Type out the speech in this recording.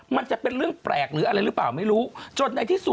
มันจะเป็นเรื่องแปลกหรืออะไรหรือเปล่าไม่รู้จนในที่สุด